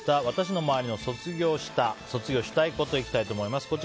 私のまわりの卒業したこと卒業したいこといきたいと思います。